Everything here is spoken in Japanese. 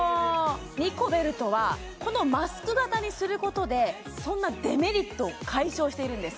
ニコベルトはこのマスク形にすることでそんなデメリットを解消しているんです